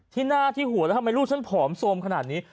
ที่หน้าที่หัวแล้วทำไมลูกฉันผอมโซมขนาดนี้